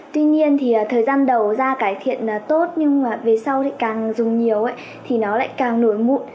tuy nhiên thì thời gian đầu ra cải thiện tốt nhưng mà về sau thì càng dùng nhiều thì nó lại càng nổi mụn